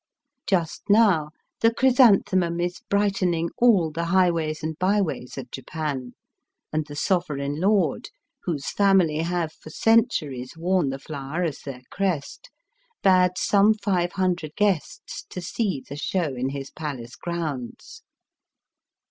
Just now the chrysanthemum is brightening all the iighways and by ways of Japan, and the Sovereign Lord, whose family have for centuries worn the flower as their crest, bade some five hundred guests to see the show in his Palace grounds.